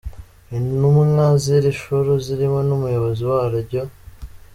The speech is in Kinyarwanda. Intumwa z’iri shuru zirimo n’Umuyobozi waryo, Eng.